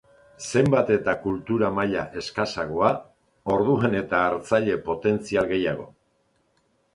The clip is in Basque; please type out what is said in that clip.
Zenbat eta kultura maila eskasagoa orduan eta hartzaile potentzial gehiago.